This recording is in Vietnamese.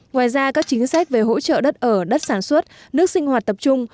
ngoài ra các chính sách về hỗ trợ đất ở đất sản xuất nước sinh hoạt tập trung